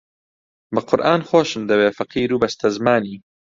بە قورئان خۆشم دەوێ فەقیر و بەستەزمانی